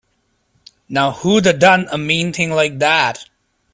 Now who'da done a mean thing like that?